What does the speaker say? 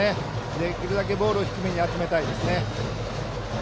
できるだけボールを低めに集めたいです。